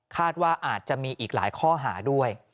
ว่าอาจจะมีอีกหลายข้อหาด้วย